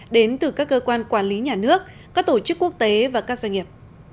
đến từ các cơ quan quản lý nhà nước các tổ chức quốc tế và các doanh nghiệp